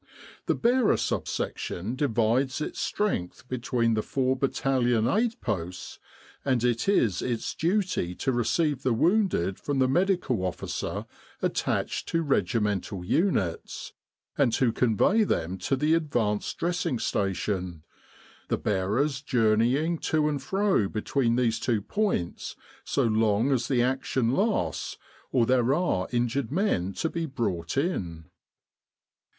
The Bearer Sub section divides its strength between the four Battalion Aid Posts, and it is its duty to receive the wounded from the Medical Officer attached to Regimental units, and to convey them to the Advanced Dressing Station, the bearers journeying to and fro between these two points so long as the action lasts or there are injured men to be brought in.